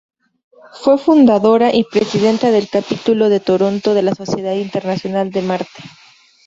Fue fundadora y presidenta del Capítulo de Toronto de la Sociedad Internacional de Marte.